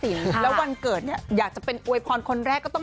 ดีในลำถวายพี่นิวไปหนึ่ง